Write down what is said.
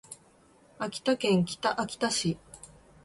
秋田県北秋田市